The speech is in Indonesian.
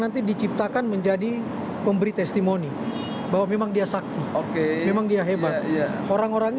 nanti diciptakan menjadi pemberi testimoni bahwa memang dia sakti oke memang dia hebat orang orangnya